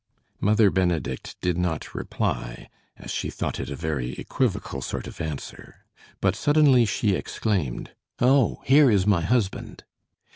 Mother Benedict did not reply, as she thought it a very equivocal sort of answer, but suddenly she exclaimed: "Oh, here is my husband!"